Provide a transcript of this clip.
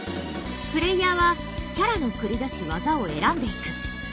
プレイヤーはキャラの繰り出す技を選んでいく。